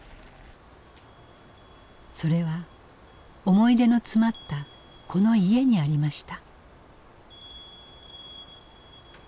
それは思い出の詰まったこの家にありました。